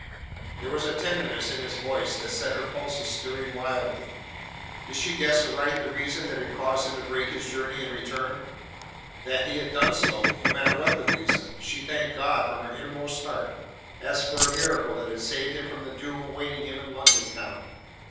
There was a tenderness in his voice that set her pulses stirring wildly. Did she guess aright the reason that had caused him to break his journey and return? That he had done so no matter what the reason she thanked God from her inmost heart, as for a miracle that had saved him from the doom awaiting him in London town.